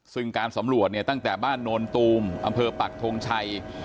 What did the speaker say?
ซึ่งการสำรวจเนี่ยตั้งแต่บ้านโนนตูมอำเภอปักทงชัย